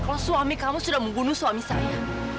kalau suami kamu sudah membunuh suami saya